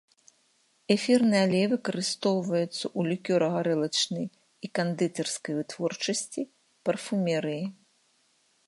Эфірны алей выкарыстоўваецца у лікёра-гарэлачнай і кандытарскай вытворчасці, парфумерыі.